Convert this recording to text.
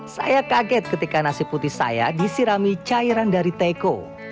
saya kaget ketika nasi putih saya disirami cairan dari teko